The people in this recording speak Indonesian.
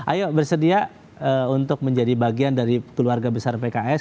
ayo bersedia untuk menjadi bagian dari keluarga besar pks